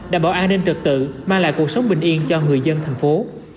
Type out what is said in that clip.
đảm bảo an ninh trật tự mang lại cuộc sống bình yên cho người dân thành phố